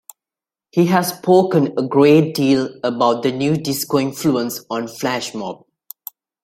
He has spoken a great deal about the new disco influence on "Flashmob".